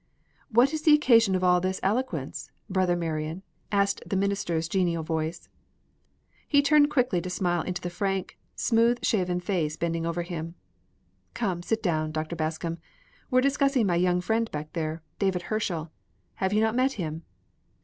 "What's the occasion of all this eloquence, Brother Marion?" asked the minister's genial voice. He turned quickly to smile into the frank, smooth shaven face bending over him. "Come, sit down, Dr. Bascom. We're discussing my young friend back there, David Herschel. Have you met him?"